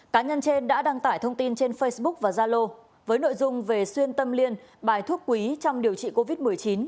cá nhân trên đã đăng tải thông tin trên facebook và zalo với nội dung về xuyên tâm liên bài thuốc quý trong điều trị covid một mươi chín